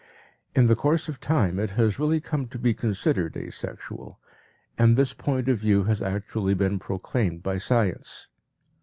In the course of time it has really come to be considered asexual, and this point of view has actually been proclaimed by science.